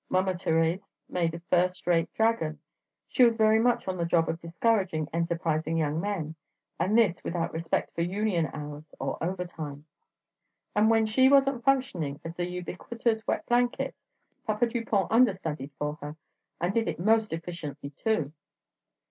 Mama Thérèse made a first rate dragon: she was very much on the job of discouraging enterprising young men, and this without respect for union hours or overtime. And when she wasn't functioning as the ubiquitous wet blanket, Papa Dupont understudied for her, and did it most efficiently, too.